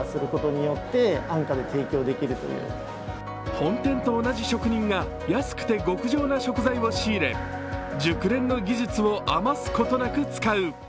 本店と同じ職人が安くて極上な食材を仕入れ、熟練の技術を余すことなく使う。